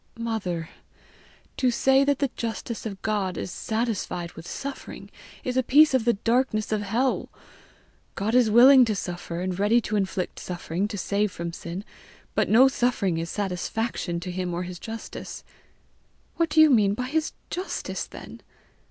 "Mother, to say that the justice of God is satisfied with suffering, is a piece of the darkness of hell. God is willing to suffer, and ready to inflict suffering to save from sin, but no suffering is satisfaction to him or his justice." "What do you mean by his justice then?"